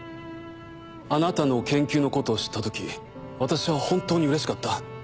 あなたの研究のことを知った時私は本当にうれしかった。